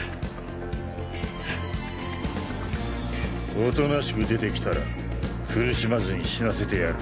大人しく出て来たら苦しまずに死なせてやる。